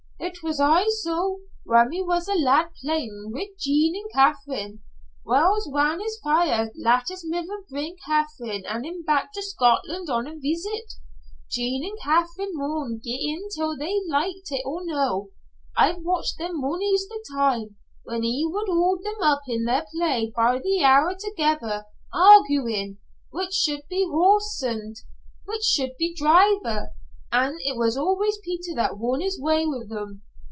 "It was aye so, whan he was a lad playin' wi' Jean an' Katherine, whiles whan his feyther lat his mither bring Katherine and him back to Scotland on a veesit. Jean and Katherine maun gie in til him if they liket it or no. I've watched them mony's the time, when he would haud them up in their play by the hour together, arguyin' which should be horse an' which should be driver, an' it was always Peter that won his way wi' them.